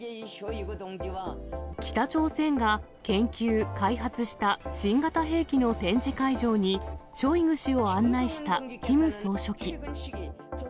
北朝鮮が研究・開発した新型兵器の展示会場に、ショイグ氏を案内したキム総書記。